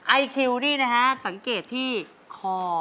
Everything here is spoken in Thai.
ไอคิวนี่นะฮะสังเกตที่คอ